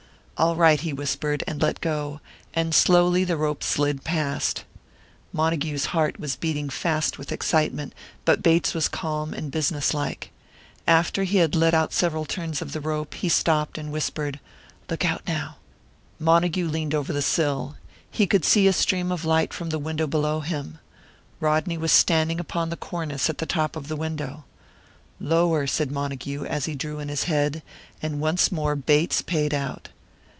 "All right," he whispered, and let go, and slowly the rope slid past. Montague's heart was beating fast with excitement, but Bates was calm and businesslike. After he had let out several turns of the rope, he stopped and whispered, "Look out now." Montague leaned over the sill. He could see a stream of light from the window below him. Rodney was standing upon the cornice at the top of the window. "Lower," said Montague, as he drew in his head, and once more Bates paid out.